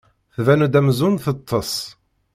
Tban-d amzun teṭṭes.